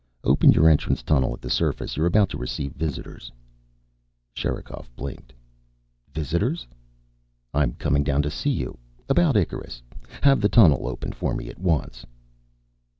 "Open your entrance tunnel at the surface. You're about to receive visitors." Sherikov blinked. "Visitors?" "I'm coming down to see you. About Icarus. Have the tunnel opened for me at once."